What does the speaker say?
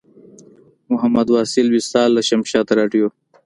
محمد واصل وصال له شمشاد راډیو.